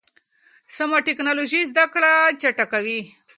سمه ټکنالوژي زده کړه چټکوي.